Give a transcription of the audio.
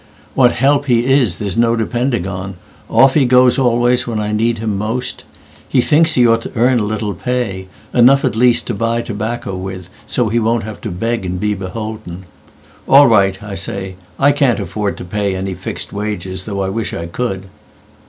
What help he is there's no depending on. Off he goes always when I need him most.'He thinks he ought to earn a little pay, Enough at least to buy tobacco with, So he won't have to beg and be beholden.''All right,' I say, 'I can't afford to payAny fixed wages, though I wish I could.